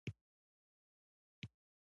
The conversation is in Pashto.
افراد والدینو مرسته له وجې مجازات نه کړو.